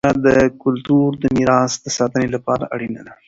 زده کړه د کلتور د میراث د ساتنې لپاره اړینه دی.